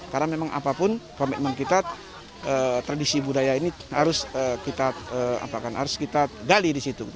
karena memang apapun komitmen kita tradisi budaya ini harus kita gali di situ